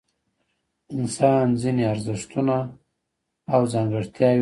انسان ځینې ارزښتونه او ځانګړتیاوې لري.